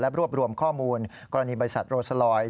รวบรวมข้อมูลกรณีบริษัทโรซาลอย